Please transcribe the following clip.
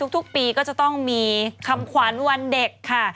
ทุกปีก็จะต้องมีคำขวัญวันเด็กค่ะ